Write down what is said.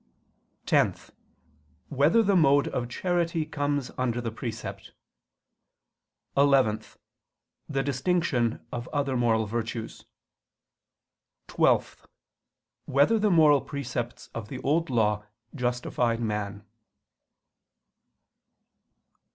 (10) Whether the mode of charity comes under the precept? (11) The distinction of other moral precepts; (12) Whether the moral precepts of the Old Law justified man?